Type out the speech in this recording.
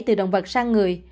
từ động vật sang người